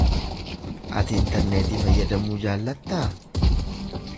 Ati interneetii fayyadamuu jaallattaa?